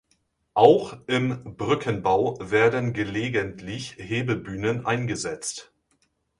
Auch im Brückenbau werden gelegentlich Hebebühnen eingesetzt.